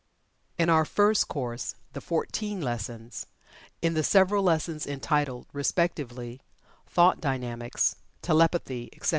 In our first course (The Fourteen Lessons) in the several lessons entitled, respectively, "Thought Dynamics," "Telepathy, etc.